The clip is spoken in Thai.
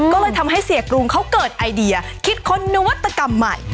ก็เลยทำให้เสียกรุงเขาเกิดไอเดียคิดค้นนวัตกรรมใหม่